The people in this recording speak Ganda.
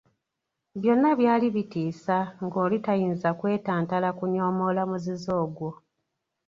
Byonna byali bitiisa ng’oli tayinza kwetantala kunyoomoola muzizo ogwo.